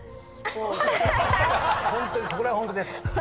ホントにこれはホントです。